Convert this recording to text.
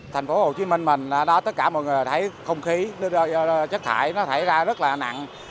tp hcm mình tất cả mọi người thấy không khí chất thải nó thải ra rất là nặng